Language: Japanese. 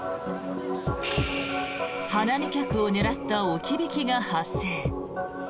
花見客を狙った置き引きが発生。